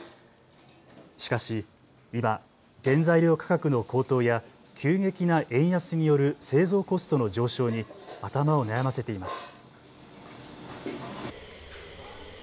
しかし今、原材料価格の高騰や急激な円安による製造コストの上昇に頭を悩ませています。